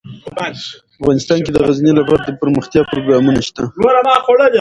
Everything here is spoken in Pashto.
افغانستان کې د غزني لپاره دپرمختیا پروګرامونه شته.